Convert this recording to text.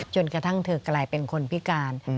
จนกระทั่งเธอกลายเป็นคนพิการ